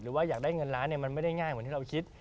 หรือว่าอยากได้เงินล้านมันไม่ได้ง่ายเหมือนที่เราคิด